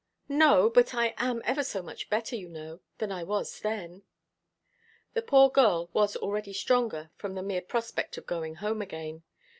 "No; but I am ever so much better, you know, than I was then." The poor girl was already stronger from the mere prospect of going home again.